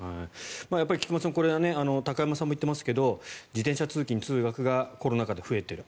やっぱり菊間さん高山さんも言っていますが自転車通勤・通学がコロナ禍で増えている。